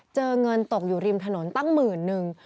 เจอเงินตกอยู่ริมถนนตั้งหมื่นนึง